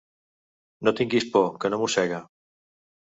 No tinguis por, que no mossega!